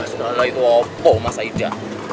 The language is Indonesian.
setelah itu apa masa ida